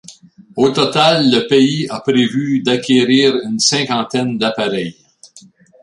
Au total le pays a prévu d'acquérir une cinquantaine d'appareils.